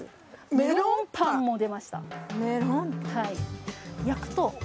メロンパンも出ましたえーっ！